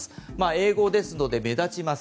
英語ですので目立ちます。